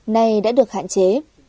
này đã được hạn chế